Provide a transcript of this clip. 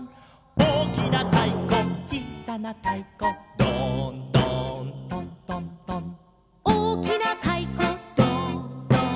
「おおきなたいこちいさなたいこ」「ドーンドーントントントン」「おおきなたいこドーンドーン」